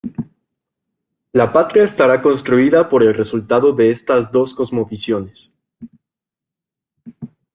La patria estará construida por el resultado de estas dos cosmovisiones.